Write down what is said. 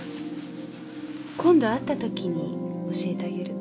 今度会った時に教えてあげる。